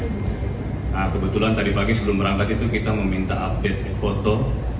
nah kebetulan tadi pagi sebelum berangkat itu kita meminta update foto